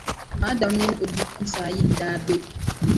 M ma Adama mini o bipuɣinsi ayi n-daa be.